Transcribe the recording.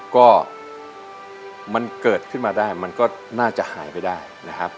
ก็มันเกิดขึ้นมาได้มันก็น่าจะหายไปได้นะครับ